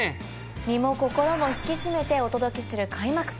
身も心も引き締めてお届けする開幕戦。